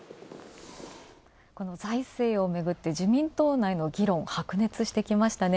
この財政をめぐって、自民党内の議論、白熱してきましたね。